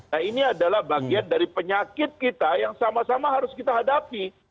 nah ini adalah bagian dari penyakit kita yang sama sama harus kita hadapi